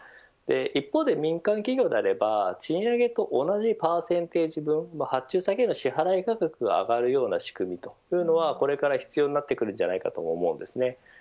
一方で民間企業であれば賃上げと同じパーセンテージ分発注先への支払い価格が上がるような仕組みというのはこれから必要になってくるんじゃないかというふうに思いますね。